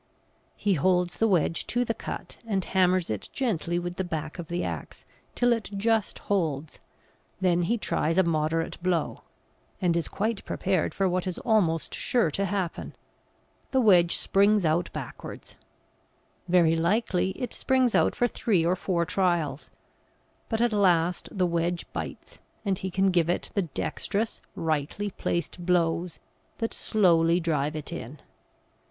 He holds the wedge to the cut and hammers it gently with the back of the axe till it just holds, then he tries a moderate blow, and is quite prepared for what is almost sure to happen the wedge springs out backwards; very likely it springs out for three or four trials, but at last the wedge bites and he can give it the dexterous, rightly placed blows that slowly drive it in.